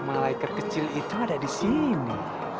malaikat kecil itu ada di sini